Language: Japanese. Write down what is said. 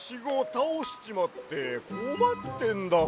たおしちまってこまってんだわ。